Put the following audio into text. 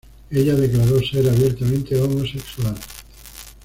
Ella declaró ser abiertamente homosexual.